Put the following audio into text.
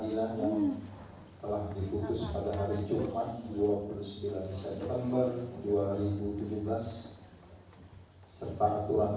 kedua pada tanggal lima oktober dua ribu tujuh belas